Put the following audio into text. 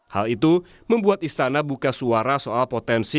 hal itu membuat istana buka suara soal potensi